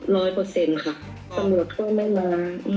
เปอร์เซ็นต์ค่ะตำรวจก็ไม่มา